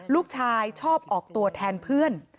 ลูกชายชอบออกตัวแทนเพื่อน